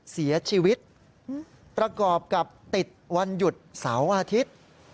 เสียชีวิตประกอบกับติดวันหยุดเสาร์อาทิตย์